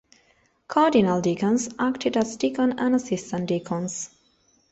Cardinal-deacons acted as deacon and assistant deacons.